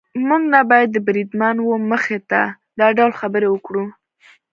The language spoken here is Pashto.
موږ نه باید د بریدمن وه مخې ته دا ډول خبرې وکړو.